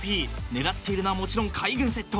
狙っているのはもちろん海軍セット。